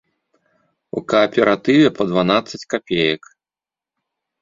У кааператыве па дванаццаць капеек.